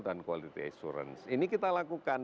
dan quality assurance ini kita lakukan